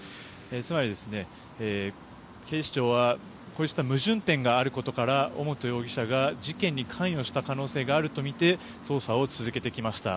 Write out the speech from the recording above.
つまり、警視庁はこうした矛盾点があることから尾本容疑者が事件に関与した可能性があるとみて捜査を続けてきました。